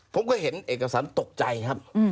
ผมก็เห็นเอกสารตกใจครับ